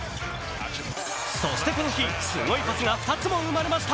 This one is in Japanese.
そして、この日、すごいパスが２つも生まれました。